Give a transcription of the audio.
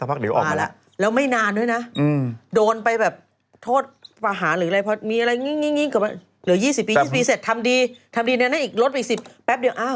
ทำดีนะนั่นอีกลดไป๑๐แป๊บเดียวอ้าวมาฮัลโหลกับเรา